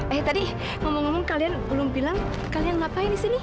eh tadi ngomong ngomong kalian belum bilang kalian ngapain di sini